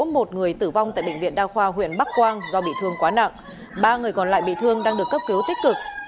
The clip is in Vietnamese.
một người tử vong tại bệnh viện đa khoa huyện bắc quang do bị thương quá nặng ba người còn lại bị thương đang được cấp cứu tích cực